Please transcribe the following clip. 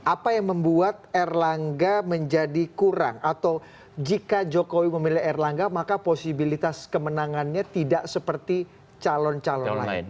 apa yang membuat erlangga menjadi kurang atau jika jokowi memilih erlangga maka posibilitas kemenangannya tidak seperti calon calon lain